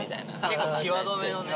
結構際どめのね。